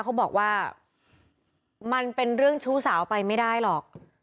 เขาบอกว่ามันเป็นเรื่องชู้สาวไปไม่ได้หรอก